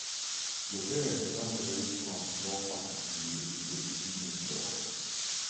L’ovaire est inséré sur un support particulier, le gynophore.